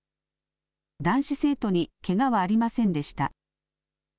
男子生徒にけがはありませんでした。